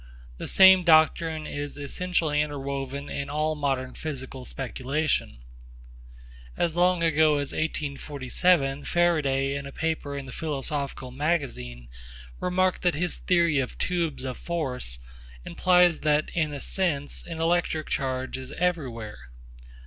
The same doctrine is essentially interwoven in all modern physical speculation. As long ago as 1847 Faraday in a paper in the Philosophical Magazine remarked that his theory of tubes of force implies that in a sense an electric charge is everywhere.